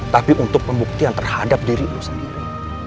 tapi untuk pembuktian terhadap diri lu sendiri